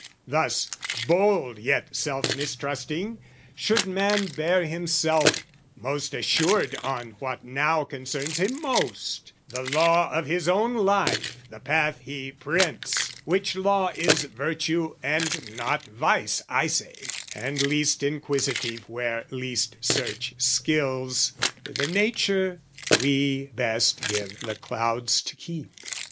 Thus, bold "Yet self mistrusting, should man bear himself, "Most assured on what now concerns him most "The law of his own life, the path he prints, "Which law is virtue and not vice, I say, "And least inquisitive where least search skills, "I' the nature we best give the clouds to keep.